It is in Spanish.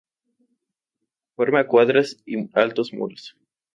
Formas cuadradas y altos muros.